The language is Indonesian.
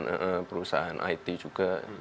ada perusahaan it juga